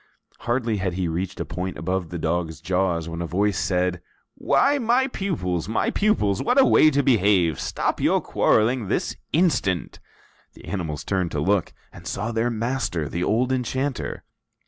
Hardly had he reached a point above the dog's jaws when a voice said: "Why, my pupils, my pupils! What a way to behave! Stop your quarreling this instant!" The animals turned to look, and saw their master, the old enchanter.